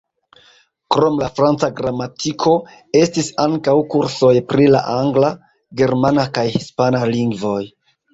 Krom la franca gramatiko, estis ankaŭ kursoj pri la angla, germana kaj hispana lingvoj.